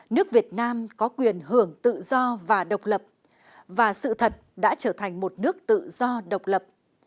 nước việt nam có quyền hưởng tự do và độc lập và sự thật đã trở thành một nước tự do độc lập